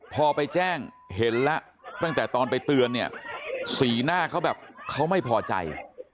พอไปแจ้งเห็นแล้วตั้งแต่ตอนไปเตือนเนี่ยสีหน้าเขาแบบเขาไม่พอใจ